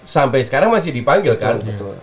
sampai sekarang masih dipanggil kan